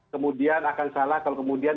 kemudian akan salah kalau kemudian